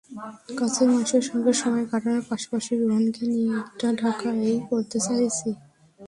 কাছের মানুষের সঙ্গে সময় কাটানোর পাশাপাশি রুহানকে নিয়ে ঈদটা ঢাকায় করতে চেয়েছি।